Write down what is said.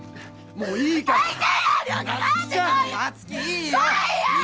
もういいよなっ。